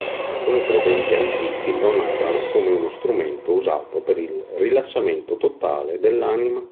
Alcuni credenti antichi lo narrano come uno strumento usato per il rilassamento totale dell'anima.